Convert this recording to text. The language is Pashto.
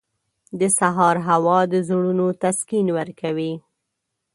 • د سهار هوا د زړونو تسکین ورکوي.